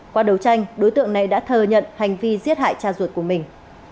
qua đấu tranh đối tượng này đã thừa nhận hành vi giết hại cha ruột của mình